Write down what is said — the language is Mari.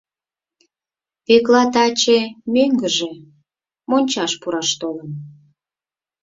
Пӧкла таче мӧҥгыжӧ мончаш пураш толын.